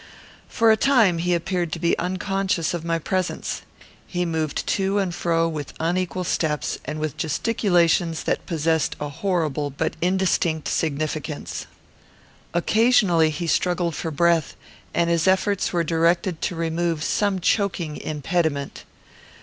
For a time he appeared to be unconscious of my presence. He moved to and fro with unequal steps, and with gesticulations that possessed a horrible but indistinct significance. Occasionally he struggled for breath, and his efforts were directed to remove some choking impediment.